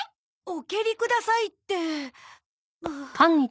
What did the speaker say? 「おけりください」って。